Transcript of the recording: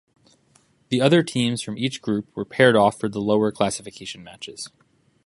The other teams from each group were paired off for the lower classification matches.